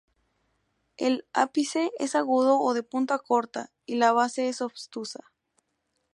El ápice es agudo o de punta corta y la base es obtusa.